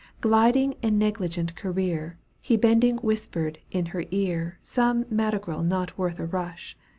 Gliding in negligent career. He bending whispered in her ear Some madrigal not worth a rush.